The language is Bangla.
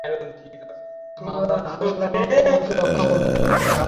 তোমার আল্লাহ তোমাকে রক্ষা করুক।